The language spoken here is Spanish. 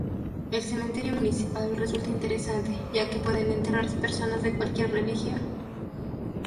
El cementerio municipal resulta interesante, ya que pueden enterrarse personas de cualquier religión.